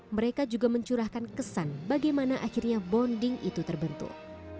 mereka juga mencurahkan kesan bagaimana akhirnya bonding itu terbentuk